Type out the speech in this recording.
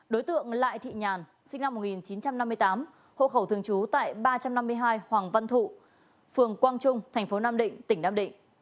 đối tượng lại thị nhàn sinh năm một nghìn chín trăm năm mươi tám hộ khẩu thường trú tại ba trăm năm mươi hai hoàng văn thụ phường quang trung thành phố nam định tỉnh nam định